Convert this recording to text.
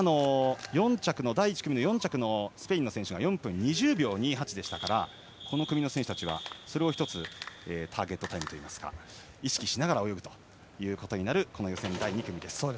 第１組の４着のスペインの選手が４分２０秒２８なのでこの組の選手はそれを１つターゲットタイムといいますか意識しながら泳ぐことになる予選第２組です。